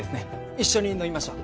一緒に飲みましょう！